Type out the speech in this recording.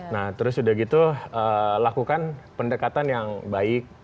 nah terus udah gitu lakukan pendekatan yang baik